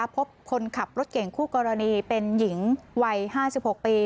คนขับรถเก่งคู่กรณีเป็นหญิงวัย๕๖ปี